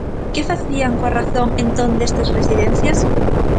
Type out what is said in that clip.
¿Que facían coa razón entón destas residencias?